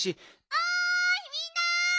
おいみんな！